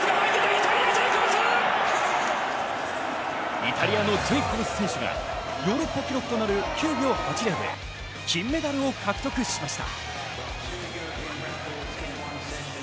イタリアのジェイコブズ選手がヨーロッパ記録となる９秒８０で金メダルを獲得しました。